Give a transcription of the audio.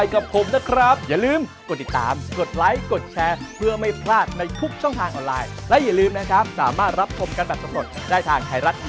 คุณผู้ชมค่ะ